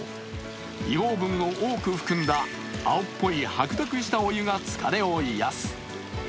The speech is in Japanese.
硫黄分を多く含んだ青っぽい白濁したお湯が疲れを癒やす。